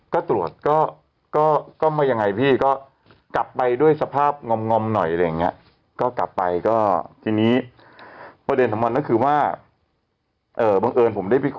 ก็ตรวจก็ไม่ยังไงพี่ก็กลับไปด้วยสภาพงอมหน่อยอะไรอย่างนี้